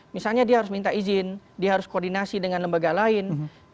misalnya dia harus minta izin dia harus koordinasi dengan lembaga lain